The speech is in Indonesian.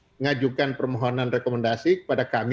mengajukan permohonan rekomendasi kepada kami